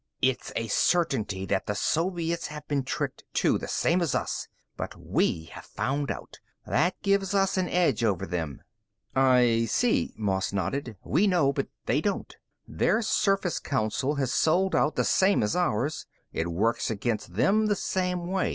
"It's a certainty that the Soviets have been tricked, too, the same as us. But we have found out. That gives us an edge over them." "I see." Moss nodded. "We know, but they don't. Their Surface Council has sold out, the same as ours. It works against them the same way.